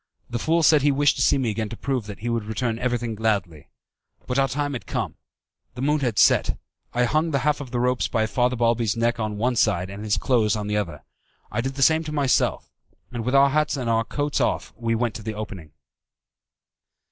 The fool said he wished to see me again to prove that he would return everything gladly. But our time was come. The moon had set. I hung the half of the ropes by Father Balbi's neck on one side and his clothes on the other. I did the same to myself, and with our hats on and our coats off we went to the opening.